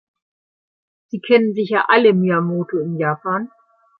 Sie kennen sicher alle Myamoto in Japan.